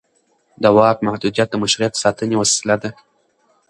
د واک محدودیت د مشروعیت ساتنې وسیله ده